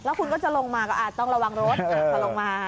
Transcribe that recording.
แล้วคุณก็จะลงมาก็อาจต้องระวังรถพอลงมา